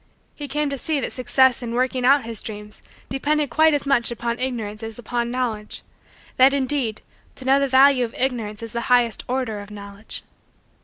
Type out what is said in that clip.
He came to see that success in working out his dreams depended quite as much upon Ignorance as upon Knowledge that, indeed, to know the value of Ignorance is the highest order of Knowledge.